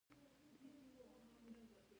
ددوی کارونه پخپل منځ کی په مشوره سره دی .